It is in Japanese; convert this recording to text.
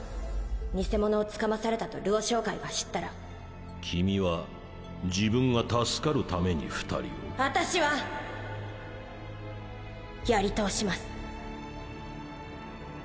偽物をつかまされたと「ルオ商会」が君は自分が助かるために二人を私はやり通します